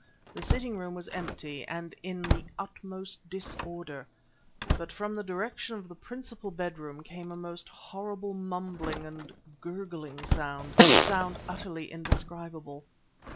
The sitting room was empty and in the utmost disorder, but from the direction of the principal bedroom came a most horrible mumbling and gurgling sound a sound utterly indescribable.